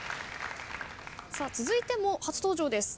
続いても初登場です。